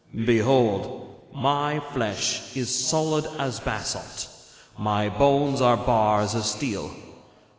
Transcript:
Behold, my flesh is solid as basalt, my bones are bars of steel!